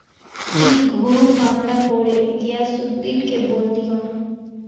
তিনি ঘুর হামলা করে গিয়াসউদ্দিনকে বন্দী করেন।